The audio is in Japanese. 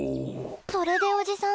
それでおじさん